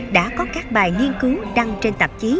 đã có các bài nghiên cứu đăng trên tạp chí